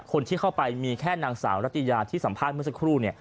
คนที่เข้าไปมีแค่นางสาวรัตยาที่สัมภาษณ์เมื่อสักครู่เนี่ย